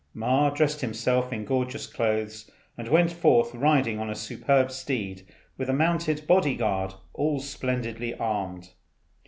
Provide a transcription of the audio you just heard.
Ma dressed himself in gorgeous clothes, and went forth riding on a superb steed, with a mounted body guard all splendidly armed.